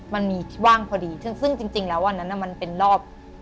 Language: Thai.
มันมีที่ว่างพอดีซึ่งจริงแล้ววันนั้นมันเป็นรอบ